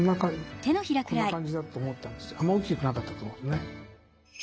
あまり大きくなかったと思うんですね。